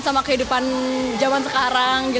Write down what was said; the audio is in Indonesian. sama kehidupan zaman sekarang